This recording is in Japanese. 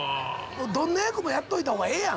どんな役もやっといたほうがええやん。